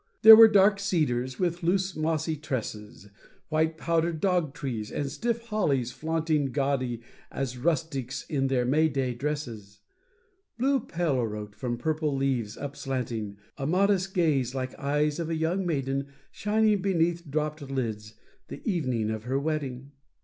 There were dark cedars with loose mossy tresses, White powdered dog trees, and stiff hollies flaunting Gaudy as rustics in their May day dresses, Blue pelloret from purple leaves upslanting A modest gaze, like eyes of a young maiden Shining beneath dropt lids the evening of her wedding.